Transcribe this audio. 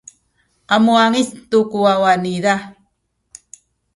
a muwangic tu ku wawa niza.